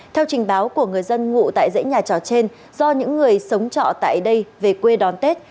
theo trình báo của người dân ngụ tại dãy nhà trò trên do những người sống trọ tại đây về quê đón tết